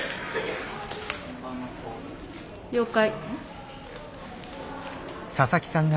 了解。